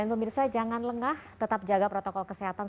dan pemirsa jangan lengah tetap jaga protokol kesehatan